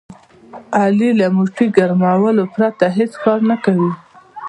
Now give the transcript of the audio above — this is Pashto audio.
علي له موټي ګرمولو پرته هېڅ کار نه کوي.